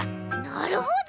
なるほど！